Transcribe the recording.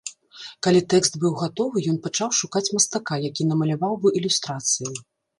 Калі тэкст быў гатовы, ён пачаў шукаць мастака, які намаляваў бы ілюстрацыі.